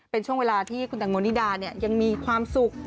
เป็นช่วงเวลาที่คุณแตงโมนิดายังมีความสุข